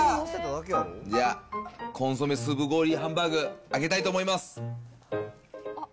じゃあ、コンソメスープ氷ハンバーグ、開けたいと思います。